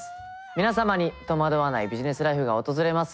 皆様に戸惑わないビジネスライフが訪れますように。